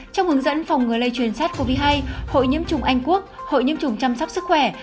trong hướng dẫn phòng người lây truyền sars cov hai hội nhiễm chủng anh quốc hội nhiễm chủng chăm sóc sức khỏe